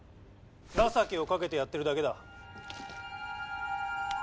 情けをかけてやっているだけだ。